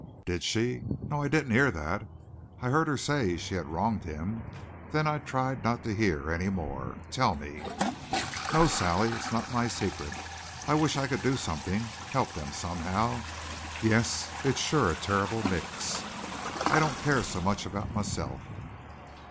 "Did she? No, I didn't hear that. I heard her say she had wronged him. Then I tried not to hear any more. Tell me." "No Sally; it's not my secret. I wish I could do something help them somehow. Yes, it's sure a terrible mix. I don't care so much about myself."